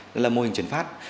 đó là mô hình chuyển phát